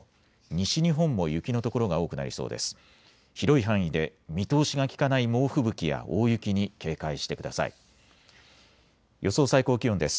西日本も雪の所が多くなりそうです。